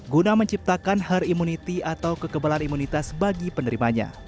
guna menciptakan herd immunity atau kekebalan imunitas bagi penerimanya